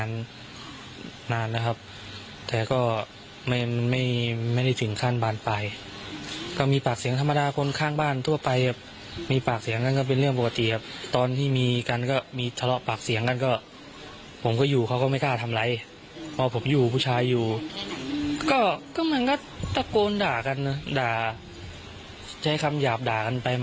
ใช้คำยาบด่ากันไปมาไปมาได้ไม่ได้เอจายอะไร